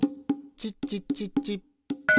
チッチッチッチッ。